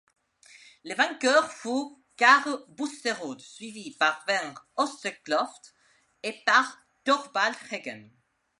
Le vainqueur fut Kaare Busterud, suivi par Bernt Østerkløft et par Thorvald Heggem.